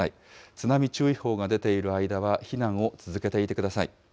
津波注意報が出ている間は避難を続けていてください。